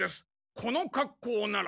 このかっこうなら。